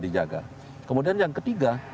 dijaga kemudian yang ketiga